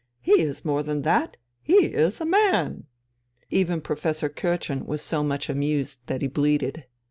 "He is more than that, he is a man!" Even Professor Kürtchen was so much amused that he bleated.